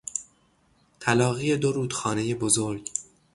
تلاقی دو رودخانهی بزرگ